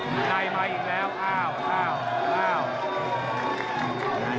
ในมาอีกแล้วอ้าวอ้าวอ้าว